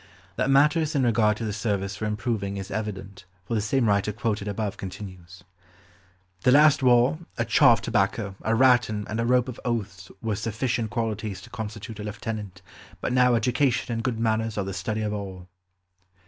That matters in regard to the service were improving is evident, for the same writer quoted above continues— "The last war, a chaw of tobacco, a ratan, and a rope of oaths were sufficient qualities to constitute a lieutenant, but now education and good manners are the study of all."